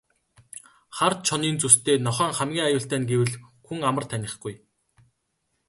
Хар чонын зүстэй нохойн хамгийн аюултай нь гэвэл хүн амар танихгүй.